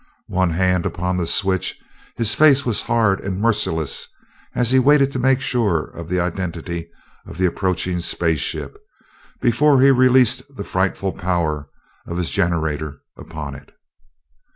One hand upon the switch, his face was hard and merciless as he waited to make sure of the identity of the approaching space ship, before he released the frightful power of his generator upon it.